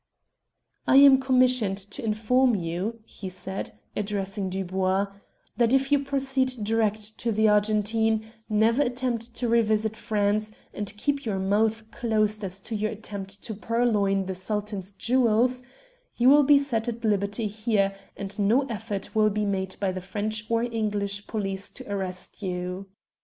"I am commissioned to inform you," he said, addressing Dubois, "that if you proceed direct to the Argentine, never attempt to revisit France, and keep your mouth closed as to your attempt to purloin the Sultan's jewels, you will be set at liberty here, and no effort will be made by the French or English police to arrest you.